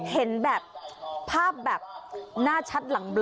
เห็นแบบภาพแบบหน้าชัดหลังเบลอ